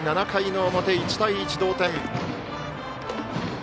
７回の表、１対１、同点。